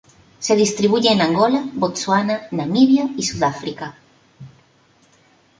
Se distribuye en Angola, Botsuana, Namibia, y Sudáfrica.